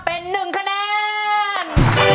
เป็นหนึ่งคะแนน